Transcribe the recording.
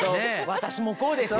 私もこうですよ。